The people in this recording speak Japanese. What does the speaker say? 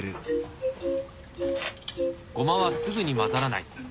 ごまはすぐに混ざらない。